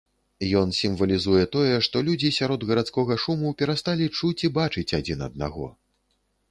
Ён сімвалізуе тое, што людзі сярод гарадскога шуму перасталі чуць і бачыць адзін аднаго.